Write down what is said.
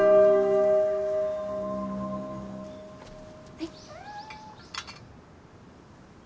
はい。